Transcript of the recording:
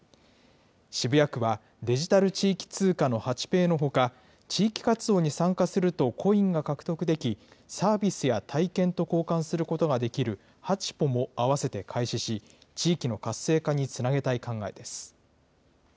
渋谷区は、デジタル地域通貨のハチペイのほか、地域活動に参加するとコインが獲得でき、サービスや体験と交換することができる、ハチポも合わせて開始し、地域の活性化につなげたい考えです。